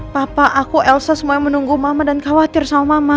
papa aku elsa semuanya menunggu mama dan khawatir sama mama